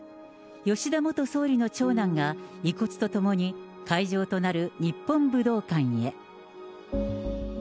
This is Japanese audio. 吉田元総理の長男が、遺骨とともに会場となる日本武道館へ。